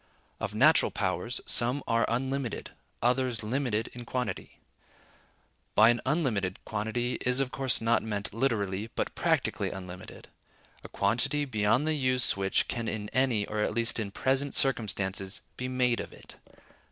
Of natural powers, some are unlimited, others limited in quantity. By an unlimited quantity is of course not meant literally, but practically unlimited: a quantity beyond the use which can in any, or at least in present circumstances, be made of it.